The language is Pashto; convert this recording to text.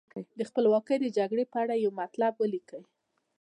د خپلواکۍ د جګړې په اړه یو مطلب ولیکئ.